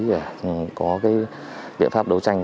để có biện pháp đấu tranh